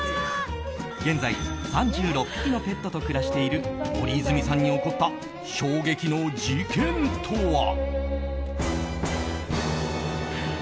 現在３６匹のペットと暮らしている森泉さんに起こった衝撃の事件とは？